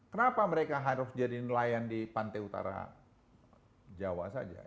kenapa mereka harus jadi nelayan di pantai utara jawa saja